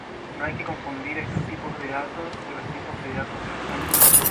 No hay que confundir estos tipos de datos con los tipos de datos abstractos.